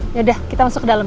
sudah kita masuk ke dalam